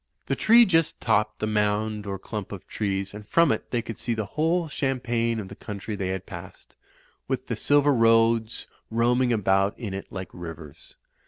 The tree just topped the mound or clump of trees, and from it they could see the whole champaign of the country they had passed, w^th the silver roads roam ing about in it like rivers.